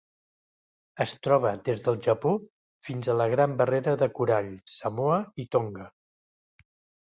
Es troba des del Japó fins a la Gran Barrera de Corall, Samoa i Tonga.